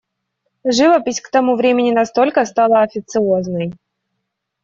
Живопись к тому времени настолько стала официозной.